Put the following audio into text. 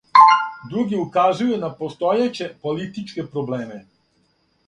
Други указују на постојеће политичке проблеме.